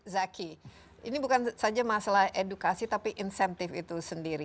zaki ini bukan saja masalah edukasi tapi insentif itu sendiri